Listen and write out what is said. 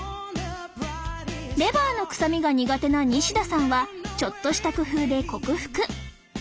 レバーの臭みが苦手な西田さんはちょっとした工夫で克服